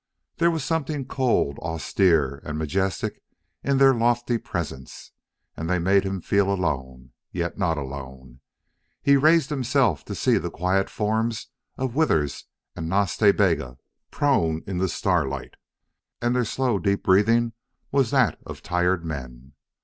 There was something cold, austere, and majestic in their lofty presence, and they made him feel alone, yet not alone. He raised himself to see the quiet forms of Withers and Nas Ta Bega prone in the starlight, and their slow, deep breathing was that of tired men.